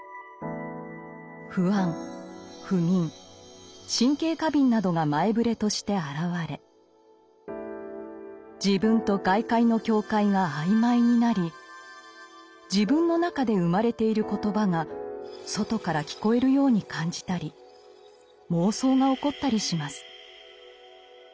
不安不眠神経過敏などが前触れとして現れ自分と外界の境界が曖昧になり自分の中で生まれている言葉が外から聞こえるように感じたり妄想が起こったりします。